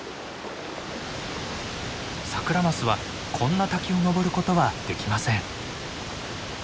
サクラマスはこんな滝を上ることはできません。